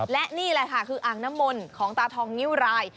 และนี่แหละค่ะคืออ่างน้ำมนต์ของตาทองนิ้วราย